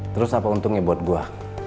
terus apa untungnya buat gue